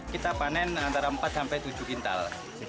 kita panen antara empat sampai tujuh kintal